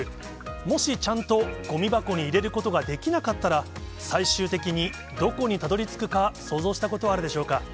もしちゃんとごみ箱に入れることができなかったら、最終的にどこにたどりつくか、想像したことはあるでしょうか。